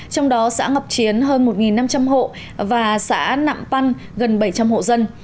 trong đó xã ngọc chiến hơn một năm trăm linh hộ và xã nạm păn gần bảy trăm linh hộ dân